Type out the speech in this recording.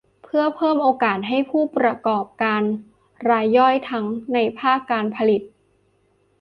เพื่อเพิ่มโอกาสให้ผู้ประกอบการรายย่อยทั้งในภาคการผลิต